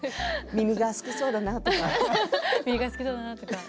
ミミガーが好きそうだなとか。